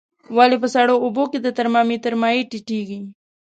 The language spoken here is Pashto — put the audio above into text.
ولې په سړو اوبو کې د ترمامتر مایع ټیټیږي؟